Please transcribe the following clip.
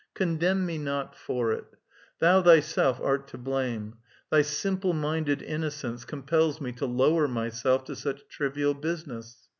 Condemn me not for it. Thou thv self art to blame ; thy simple minded innocence compels me to lower myself to such trivial business.